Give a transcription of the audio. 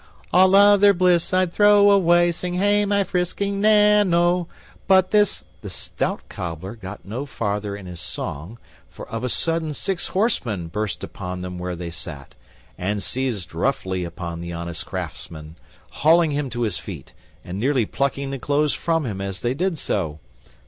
"All other bliss I'd throw away, Sing hey my frisking Nan, O, But this_ " The stout Cobbler got no further in his song, for of a sudden six horsemen burst upon them where they sat, and seized roughly upon the honest craftsman, hauling him to his feet, and nearly plucking the clothes from him as they did so.